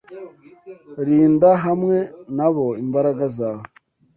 Rinda hamwe nabo imbaraga zawe